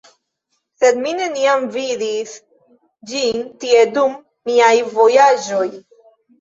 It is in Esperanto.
Sed mi neniam vidis ĝin tie dum miaj vojaĝoj.